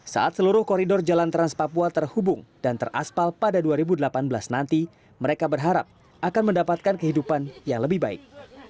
saat seluruh koridor jalan trans papua terhubung dan teraspal pada dua ribu delapan belas nanti mereka berharap akan mendapatkan kehidupan yang lebih baik